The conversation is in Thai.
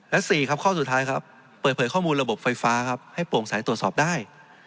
และสี่ข้อสุดท้ายเปิดเผยข้อมูลระบบไฟฟ้าให้โปร่งสายตรวจสอบได้